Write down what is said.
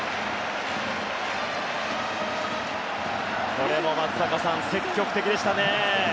これも松坂さん、積極的でしたね。